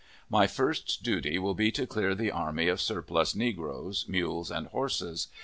My first duty will be to clear the army of surplus negroes, mules, and horses.